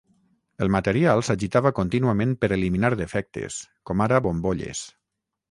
El material s'agitava contínuament per eliminar defectes, com ara bombolles.